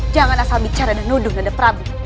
jangan asal bicara dan nuduh dengan prabu